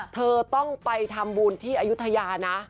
เธอต้องไปทำบุญที่อายุทยานะ